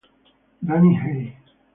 Danny Hay